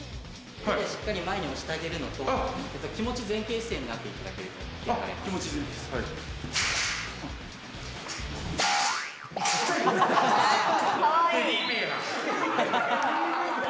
しっかり前に押してあげるのと気持ち、前傾姿勢になっていただけると。